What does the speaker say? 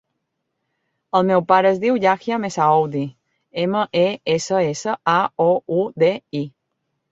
El meu pare es diu Yahya Messaoudi: ema, e, essa, essa, a, o, u, de, i.